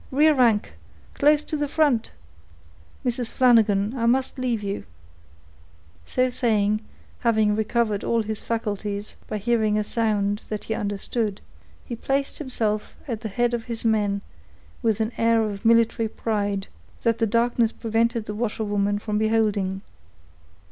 Rear rank, close to the front!—Mrs. Flanagan, I must leave you." So saying, having recovered all his faculties, by hearing a sound that he understood, he placed himself at the head of his men with an air of military pride, that the darkness prevented the washerwoman from beholding.